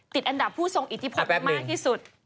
ติดอันดับผู้ทรงอิทธิพลมากที่สุด